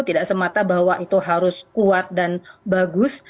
tidak semata bahwa itu harus kuat dan bagus